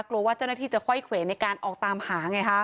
กลัวว่าเจ้าหน้าที่จะค่อยเขวนในการออกตามหาไงฮะ